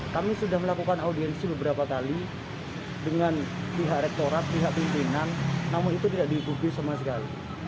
kami sudah melakukan audiensi beberapa kali dengan pihak rektorat pihak pimpinan namun itu tidak diikuti sama sekali